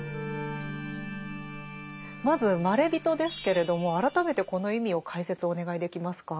まず「まれびと」ですけれども改めてこの意味を解説お願いできますか？